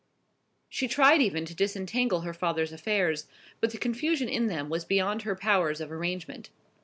She tried even to disentangle her father's affairs; but the confusion in them was beyond her powers of arrangement.